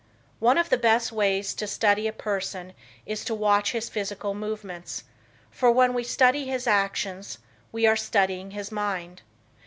One of the best ways to study a person is to watch his physical movements, for, when we study his actions, we are studying his mind.